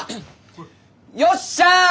よっしゃ！